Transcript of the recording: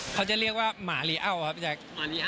เขาจะเรียกว่าหมาลีเอ้าครับจักร